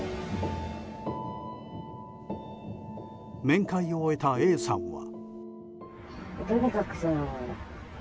面会を終えたＡさんは。